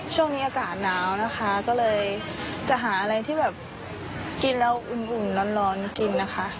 ช่วงนี้อากาศหนาวนะคะก็เลยจะหาอะไรที่แบบกินแล้วอุ่นร้อนกินนะคะ